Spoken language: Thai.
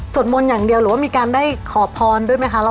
มนต์อย่างเดียวหรือว่ามีการได้ขอพรด้วยไหมคะ